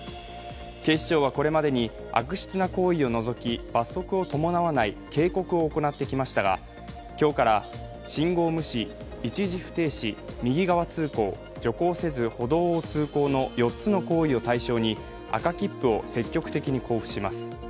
警視庁はこれまでに悪質な行為を除き罰則を伴わない警告を行ってきましたが今日から信号無視、一時不停止、右側通行、徐行せず歩道を通行の４つの行為を対象に赤切符を積極的に交付します。